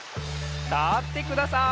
たってください。